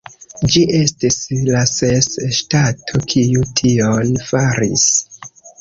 Ĝi estis la ses ŝtato kiu tion faris.